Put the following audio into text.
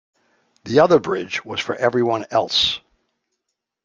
The other bridge was for everyone else.